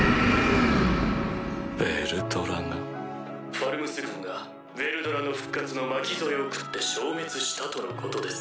ファルムス軍がヴェルドラの復活の巻き添えを食って消滅したとのことです。